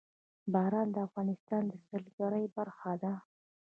باران د افغانستان د سیلګرۍ برخه ده.